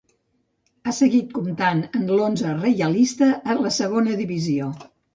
Ha seguit comptant en l'onze reialista a la Segona Divisió.